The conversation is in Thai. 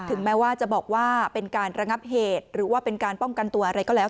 แม้ว่าจะบอกว่าเป็นการระงับเหตุหรือว่าเป็นการป้องกันตัวอะไรก็แล้ว